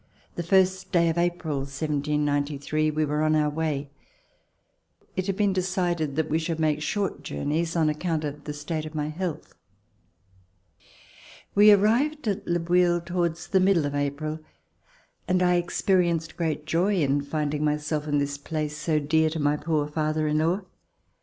The first day of April, 1793, we were on our way. It had been decided that we should make short journeys on account of the state of my health. We finally arrived at Le Bouilh towards the mid dle of April, and I experienced great joy in finding myself in this place so dear to my poor father in law.